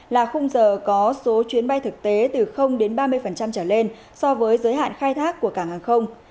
là khung giờ có số chuyến bay thực tế từ ba mươi trở lên so với giới hạn khai thác của cảng hàng không